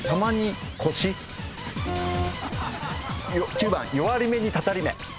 ９番弱り目に祟り目。